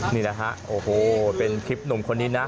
นี่แหละฮะโอ้โหเป็นคลิปหนุ่มคนนี้นะ